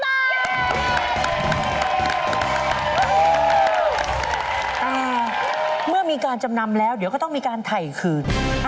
แต่เมื่อมีการจำนำแล้วเดี๋ยวก็ต้องมีการถ่ายคืน